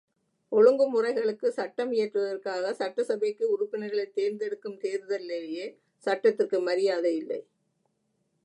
ஒழுங்கு முறைகளுக்கு சட்டம் இயற்றுவதற்காகச் சட்டசபைக்கு உறுப்பினர்களைத் தேர்ந்தெடுக்கும் தேர்தலிலேயே சட்டத்திற்கு மரியாதை இல்லை.